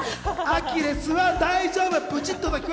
アキレスは大丈夫。